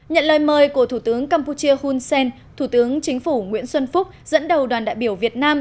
nhận lời mời của thủ tướng campuchia hun sen thủ tướng chính phủ nguyễn xuân phúc dẫn đầu đoàn đại biểu việt nam